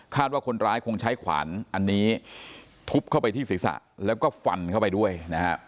ว่าคนร้ายคงใช้ขวานอันนี้ทุบเข้าไปที่ศีรษะแล้วก็ฟันเข้าไปด้วยนะฮะ